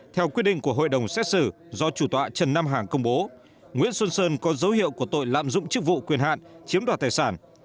theo quyết định của hội đồng xét xử do chủ tọa trần nam hàng công bố nguyễn xuân sơn có dấu hiệu của tội lạm dụng chức vụ quyền hạn chiếm đoạt tài sản